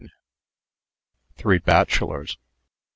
THREE BACHELOKS.